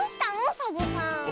サボさん。